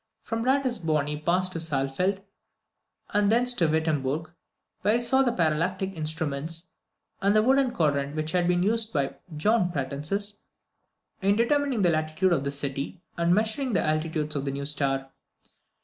From Ratisbon he passed to Saalfeld, and thence to Wittemburg, where he saw the parallactic instruments and the wooden quadrant which had been used by John Pratensis in determining the latitude of the city, and in measuring the altitudes of the new star.